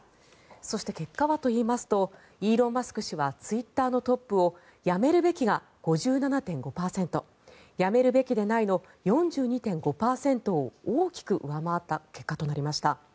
そして結果はといいますとイーロン・マスク氏はツイッターのトップを辞めるべきが５７．５％辞めるべきでないの４２．５％を大きく上回った結果となりました。